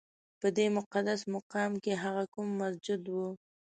په دې مقدس مقام کې هغه کوم مسجد و؟